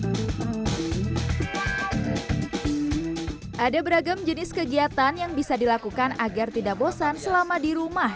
hai ada beragam jenis kegiatan yang bisa dilakukan agar tidak bosan selama di rumah